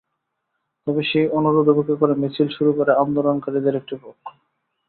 তবে সেই অনুরোধ উপেক্ষা করে মিছিল শুরু করে আন্দোলনকারীদের একটি পক্ষ।